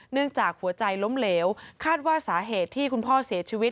จากหัวใจล้มเหลวคาดว่าสาเหตุที่คุณพ่อเสียชีวิต